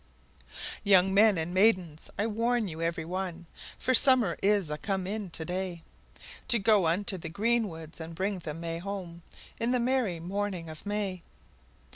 _ Young men and maidens, I warn you every one, For summer is a come in to day, To go unto the green woods and bring the may home In the merry morning of May!